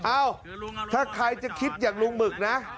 เอ้าถ้าใครจะคิดอย่างลุงหมึกนะ